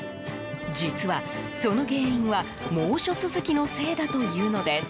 実は、その原因は猛暑続きのせいだというのです。